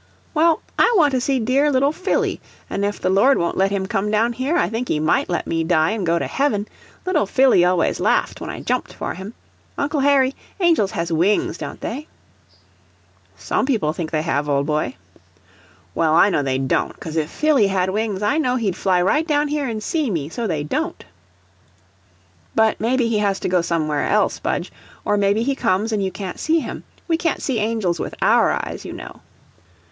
"Well, I want to see dear little Phillie, an' if the Lord won't let him come down here, I think he might let me die an' go to heaven. Little Phillie always laughed when I jumped for him. Uncle Harry, angels has wings, don't they?" "Some people think they have, old boy." "Well, I know they DON'T, cos if Phillie had wings, I know he'd fly right down here an' see me. So they don't." "But maybe he has to go somewhere else, Budge, or maybe he comes and you can't see him. We can't see angels with OUR eyes, you know."